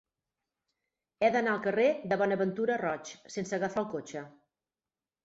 He d'anar al carrer de Bonaventura Roig sense agafar el cotxe.